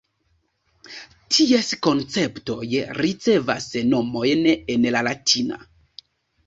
Ties konceptoj ricevas nomojn en la latina.